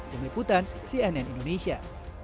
demiputan cnn indonesia